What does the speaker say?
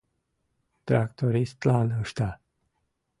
Трактористлан ышта.